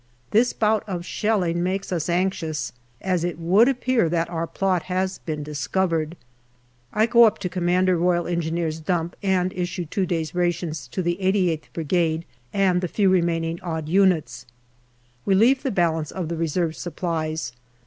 This bout of shelling makes us anxious, as it would appear that our plot has been discovered. I go up to C.R.E. dump and issue two days' rations to the 88th Brigade and the few remaining odd units. We leave the balance of the reserve supplies.